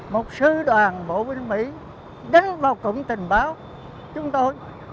một sứ đoàn bộ binh mỹ đứng vào cụm tình báo chúng tôi